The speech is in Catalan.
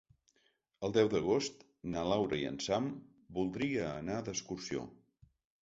El deu d'agost na Laura i en Sam voldria anar d'excursió.